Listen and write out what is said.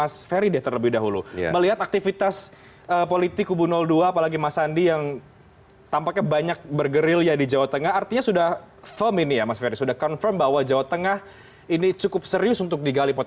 sebelumnya prabowo subianto